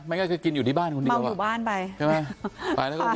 ไม่งั้นก็กินอยู่ที่บ้านคุณดีกว่าใช่ไหมเมาหมู่บ้านไป